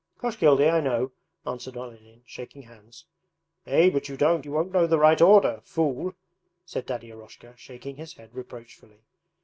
'Koshkildy, I know,' answered Olenin, shaking hands. 'Eh, but you don't, you won't know the right order! Fool!' said Daddy Eroshka, shaking his head reproachfully.